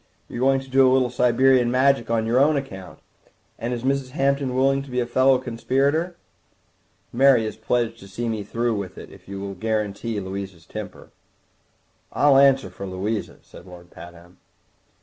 You are going to do a little Siberian Magic on your own account. And is Mrs. Hampton willing to be a fellow conspirator?" "Mary is pledged to see me through with it, if you will guarantee Louisa's temper." "I'll answer for Louisa," said Lord Pabham.